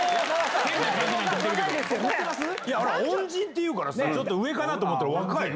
恩人って言うからさちょっと上かなと思ったら若い。